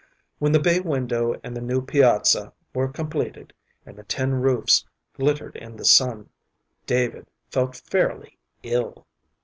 When the bay window and the new piazza were completed, and the tin roofs glittered in the sun, David fell fairly ill.